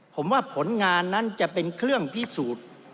ผมว่าผลงานนั้นจะเป็นเครื่องพิสูจน์